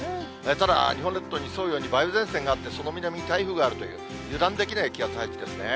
ただ、日本列島に沿うように梅雨前線があって、その南に台風があるという、油断できない気圧配置ですね。